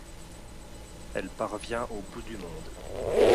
Elle parvient au bout du monde.